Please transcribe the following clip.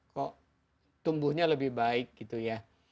kok tumbuhnya lebih baik gitu ya